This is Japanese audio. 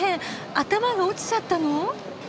頭が落ちちゃったの！？